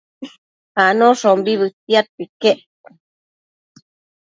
Anoshombi bëtiadquio iquec